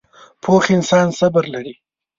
پوخ انسان صبر لري